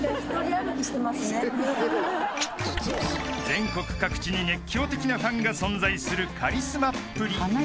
［全国各地に熱狂的なファンが存在するカリスマっぷり］